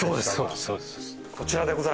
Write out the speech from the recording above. そうです